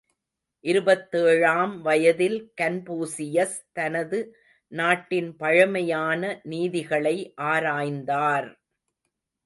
இருபத்தேழாம் வயதில் கன்பூசியஸ், தனது நாட்டின் பழமையான நீதிகளை ஆராய்ந்தார்!